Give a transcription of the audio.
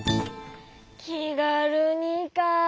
「きがるに」かあ。